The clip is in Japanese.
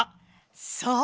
そう！